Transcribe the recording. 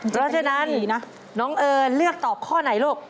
เพราะฉะนั้นน้องเอิญเลือกตอบข้อไหนลูก